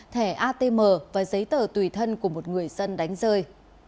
thẻ atm và giấy tờ tùy thân của một người dân đánh rơi